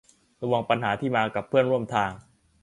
ระวังปัญหาที่มากับเพื่อนร่วมทาง